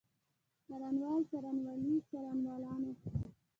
څارنوال، څارنوالي، څارنوالانو.